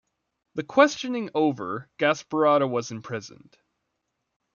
The questioning over, Gasparotto was imprisoned.